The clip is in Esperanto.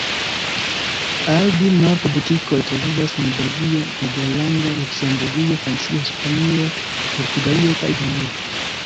Aldi-Nord butikoj troviĝas en Belgio, Nederlando, Luksemburgio, Francio, Hispanio, Portugalio kaj Danio.